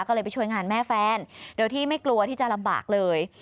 ก็เลยไปช่วยงานแม่แฟนโดยที่ไม่กลัวที่จะลำบากเลย